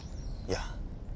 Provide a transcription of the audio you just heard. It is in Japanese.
いや。